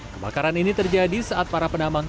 kebakaran ini terjadi saat para penambang